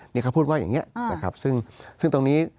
นี่เขาพูดว่าอย่างนี้นะครับซึ่งตรงนี้